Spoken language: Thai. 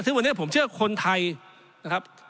ซึ่งวันนี้ผมเชื่อคนไทยนะครับ